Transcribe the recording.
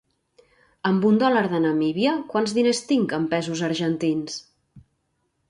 Amb un dòlar de Namíbia quants diners tinc en pesos argentins?